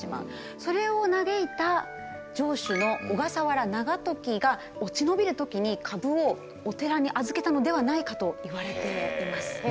それを嘆いた城主の小笠原長時が落ち延びる時に株をお寺に預けたのではないかと言われています。